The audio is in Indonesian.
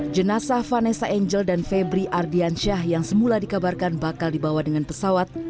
jenasa vanessa angel dan febri ardiansyah yang semula dikabarkan bakal dibawa dengan pesawat